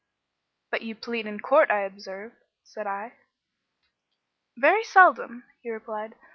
"But you plead in court, I observe," said I. "Very seldom," he replied.